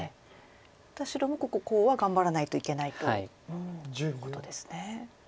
白もここコウは頑張らないといけないということですね。